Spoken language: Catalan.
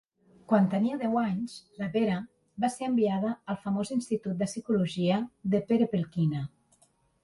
Quan tenia deu anys, la Vera va ser enviada al famós institut de psicologia de Perepelkina.